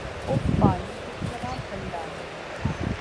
if پانی کتنا ٹھنڈا ہے